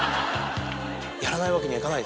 やらないわけにはいかない。